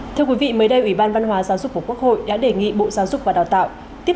thưa quý vị mới đây ủy ban văn hóa giáo dục của quốc hội đã đề nghị bộ giáo dục và đào tạo tiếp